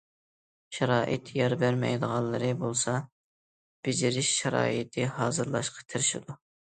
شارائىت يار بەرمەيدىغانلىرى بولسا، بېجىرىش شارائىتى ھازىرلاشقا تىرىشىدۇ.